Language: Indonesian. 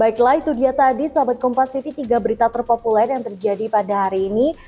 baiklah itu dia tadi sahabat kompatiti tiga berita terpopuler yang terjadi pada hari ini